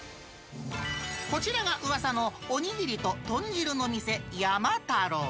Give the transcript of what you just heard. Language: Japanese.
こちらがうわさのお握りと豚汁の店、山太郎。